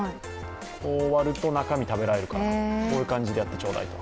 こう割ると、中身が食べられるからこういう感じでやってくださいと。